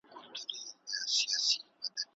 نور کتابونه مجبوريته لولي.